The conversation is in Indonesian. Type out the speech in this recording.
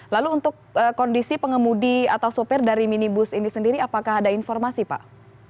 lalu untuk kondisi pengemudi atau sopir dari minibus ini sendiri apakah ada informasi pak